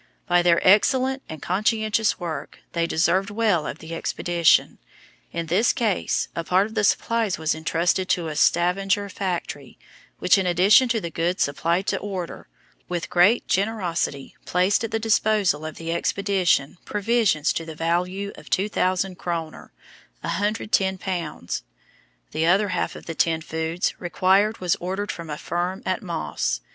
By their excellent and conscientious work they deserved well of the expedition. In this case a part of the supplies was entrusted to a Stavanger factory, which, in addition to the goods supplied to order, with great generosity placed at the disposal of the expedition provisions to the value of 2,000 kroner (£110). The other half of the tinned foods required was ordered from a firm at Moss.